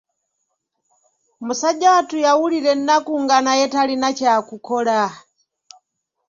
Musajja wattu yawulira ennaku nga naye talina kyakukola.